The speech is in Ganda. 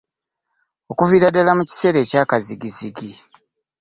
Okuviira ddala mu biseera ebyakazzigizzigi.